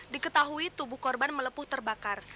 diketahui tubuh korban melepuh terbakar